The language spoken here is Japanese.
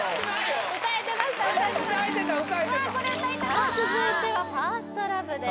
歌えてた歌えてたさあ続いては「ＦｉｒｓｔＬｏｖｅ」です